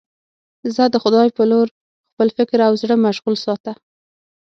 زه د خدای په لور خپل فکر او زړه مشغول ساته.